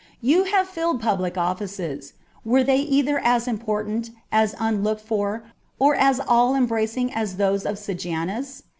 You have filled public ofl&ces : were they either as important, as unlooked for, or as all embracing as those of Sejanus